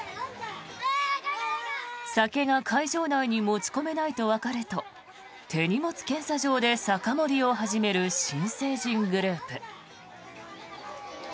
酒が会場内に持ち込めないとわかると手荷物検査場で酒盛りを始める新成人グループ。